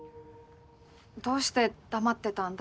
どうして黙ってたんだ？